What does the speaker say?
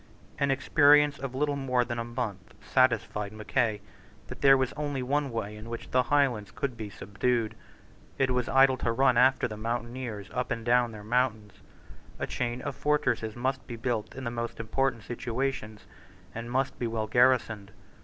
An experience of little more than a month satisfied Mackay that there was only one way in which the Highlands could be subdued. It was idle to run after the mountaineers up and down their mountains. A chain of fortresses must be built in the most important situations, and must be well garrisoned.